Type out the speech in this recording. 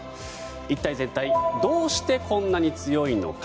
一体絶対、どうしてこんなに強いのか。